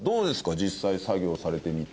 実際作業されてみて。